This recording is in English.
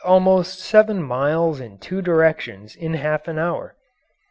_, almost seven miles in two directions in half an hour.